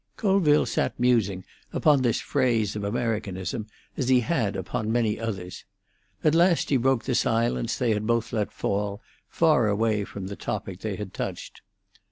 Colville sat musing upon this phase of Americanism, as he had upon many others. At last he broke the silence they had both let fall, far away from the topic they had touched.